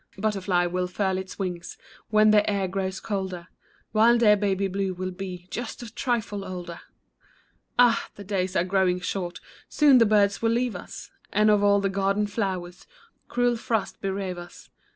Butterfly will furl its wings When the air grows colder ; While dear Baby Blue will be Just a trifle older ! Ah ! the days are growing short, Soon the birds will leave us. And of all the garden flowers Cruel frost bereave us.